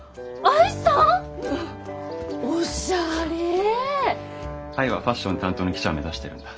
愛はファッション担当の記者を目指してるんだ。